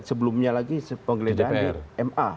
sebelumnya lagi penggeledahan di ma